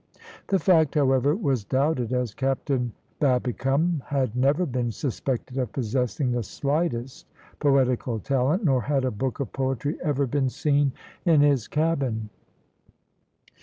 The fact, however, was doubted, as Captain Babbicome had never been suspected of possessing the slightest poetical talent, nor had a book of poetry ever been seen in his cabin.